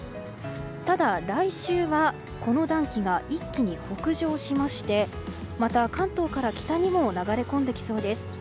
ただ、来週はこの暖気が一気に北上しましてまた関東から北にも流れ込んできそうです。